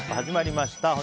始まりました。